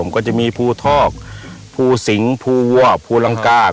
ก็จะมีภูทอกภูสิงภูวัวภูลังกา